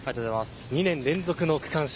２年連続の区間賞。